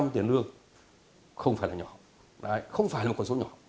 hai mươi hai tiền lương không phải là nhỏ không phải là một con số nhỏ